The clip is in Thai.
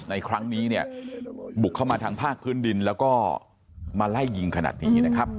ในครั้งนี้เนี่ยบุกเข้ามาทางภาคพื้นดินแล้วก็มาไล่ยิงขนาดนี้นะครับ